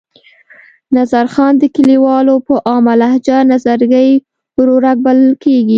نظرخان د کلیوالو په عامه لهجه نظرګي ورورک بلل کېږي.